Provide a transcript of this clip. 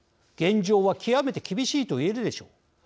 現状は極めて厳しいと言えるでしょう。